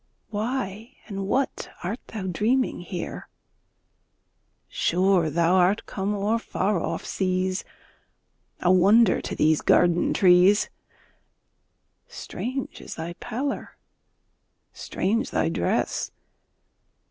Why and what art thou dreaming here? Sure thou art come o'er far off seas, A wonder to these garden trees! Strange is thy pallor! strange thy dress!